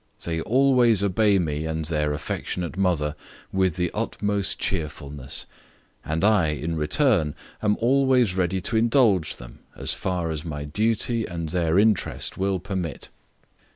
They always obey me and their affectionate mother with the utmost cheerfulness; and I, in return, am always ready to indulge them as far as my duty and their interest will permit.